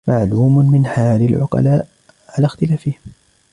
مَعْلُومٌ مِنْ حَالِ الْعُقَلَاءِ عَلَى اخْتِلَافِهِمْ